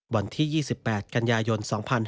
วันที่๒๘กันยายน๒๕๕๙